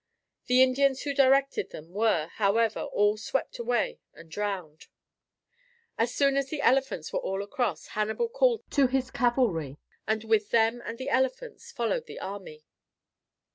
The Indians who directed them were, however, all swept away and drowned. As soon as the elephants were all across Hannibal called in his cavalry, and with them and the elephants followed the army.